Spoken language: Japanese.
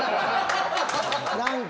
何か。